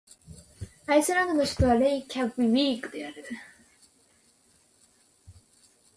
アイスランドの首都はレイキャヴィークである